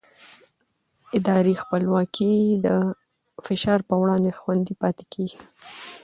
اداري خپلواکي د فشار پر وړاندې خوندي پاتې کېږي